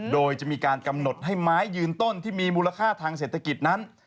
โดยจะมีการกำหนดให้ไม้ยืนต้นที่มีมูลค่าทางเศรษฐกิจนั้น